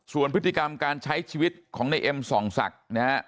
ส่วนพฤติกรรมการใช้ชีวิตของในเอ็มส่องศักดิ์นะฮะ